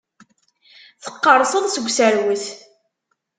Teqqerṣeḍ seg userwet.